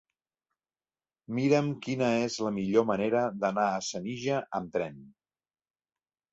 Mira'm quina és la millor manera d'anar a Senija amb tren.